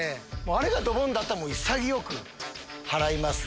あれがドボンだったら潔く払います。